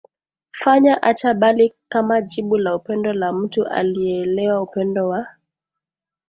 Fanya Acha bali kama jibu la upendo la mtu aliyeelewa upendo wa